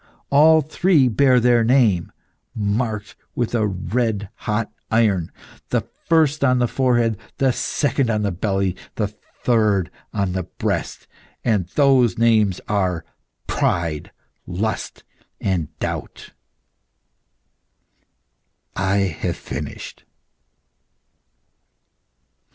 All three bear their name, marked with red hot iron; the first on the forehead, the second on the belly, the third on the breast, and those names are Pride, Lust, and Doubt. I have finished."